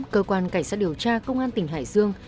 cơ quan cảnh sát điều tra công an tỉnh hải dương